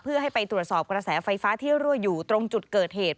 เพื่อให้ไปตรวจสอบกระแสไฟฟ้าที่รั่วอยู่ตรงจุดเกิดเหตุ